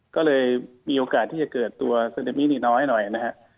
ก็เลยมีโอกาสที่จะเกิดตัวซึนามิอีกน้อยหน่อยนะครับ